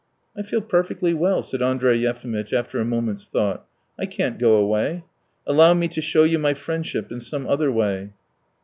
"I feel perfectly well," said Andrey Yefimitch after a moment's thought. "I can't go away. Allow me to show you my friendship in some other way."